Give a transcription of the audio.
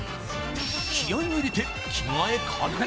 気合いを入れて着替え完了